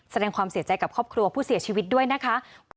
แสดงความเสียใจกับครอบครัวผู้เสียชีวิตด้วยนะคะ